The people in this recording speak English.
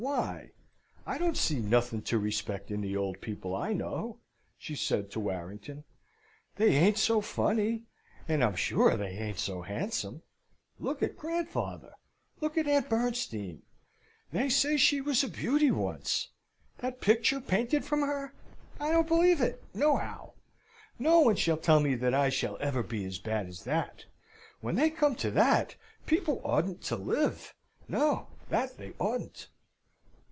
Why? I don't see nothin' to respect in the old people, I know," she said to Warrington. "They ain't so funny, and I'm sure they ain't so handsome. Look at grandfather; look at Aunt Bernstein. They say she was a beauty once! That picture painted from her! I don't believe it, nohow. No one shall tell me that I shall ever be as bad as that! When they come to that, people oughtn't to live. No, that they oughtn't."